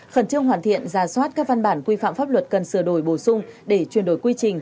khẩn trương hoàn thiện giả soát các văn bản quy phạm pháp luật cần sửa đổi bổ sung để chuyển đổi quy trình